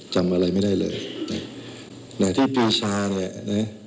จำอะไรไม่ได้เลยเนี่ยที่ปีชาเนี่ยเนี่ยเนี่ย